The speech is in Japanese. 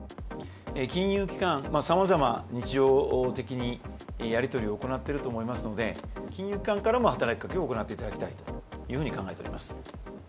金融機関、さまざま、日常的にやり取りを行っていると思いますので、金融機関からも働きかけを行っていただきたいというふうに考えております。